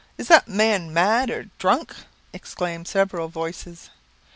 is that man mad or drunk?" exclaimed several voices.